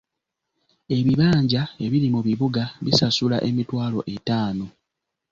Ebibanja ebiri mu bibuga bisasula emitwalo etaano.